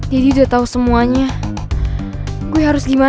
udah tau semuanya gue harus gimana